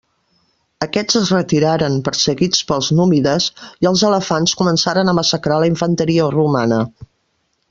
Aquests es retiraren, perseguits pels númides, i els elefants començaren a massacrar la infanteria romana.